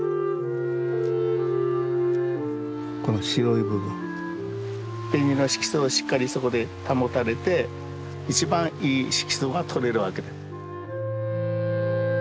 この白い部分紅の色素をしっかりそこで保たれて一番いい色素がとれるわけで。